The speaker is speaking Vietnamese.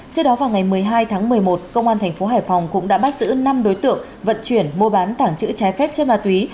trước đó vào ngày một mươi hai tháng một mươi một công an thành phố hải phòng cũng đã bắt giữ năm đối tượng vận chuyển mua bán tảng chữ trái phép trên ma túy